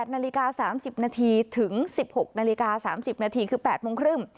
๘นาฬิกา๓๐นาทีถึง๑๖นาฬิกา๓๐นาทีคือ๘๓๐